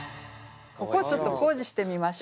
ここをちょっと工事してみましょう。